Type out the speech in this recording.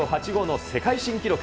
８５の世界新記録。